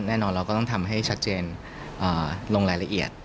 แน่นอนเราก็ต้องทำให้ชัดเจนลงรายละเอียด